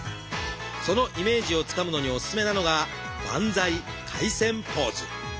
そのイメージをつかむのにおすすめなのが「バンザイ回旋ポーズ」。